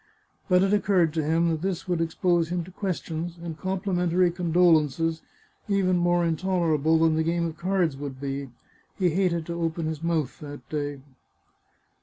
But it occurred to him that this would expose him to questions, and complimentary condolences, even more intolerable than the game of cards would be. He hated to open his mouth that day.